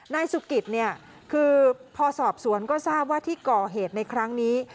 นายสุกิตเนี่ยคือพอสอบสวนก็ทราบว่าที่ก่อเหตุในครั้งนี้